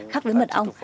khác với mật ong